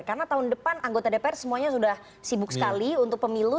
karena tahun depan anggota dpr semuanya sudah sibuk sekali untuk pemilu